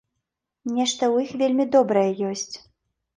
Нешта ў іх вельмі добрае ёсць.